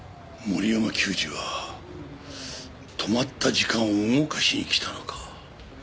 森山久司は止まった時間を動かしに来たのか？